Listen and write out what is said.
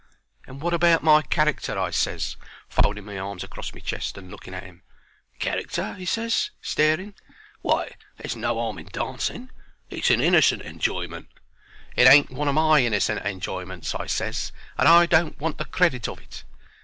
"And wot about my character?" I ses, folding my arms acrost my chest and looking at him. "Character?" he ses, staring. "Why, there's no 'arm in dancing; it's a innercent enjoyment." "It ain't one o' my innercent enjoyments," I ses, "and I don't want to get the credit of it.